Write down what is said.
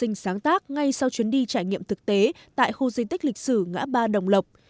điều này được sáng tác ngay sau chuyến đi trải nghiệm thực tế tại khu di tích lịch sử ngã ba đồng lộc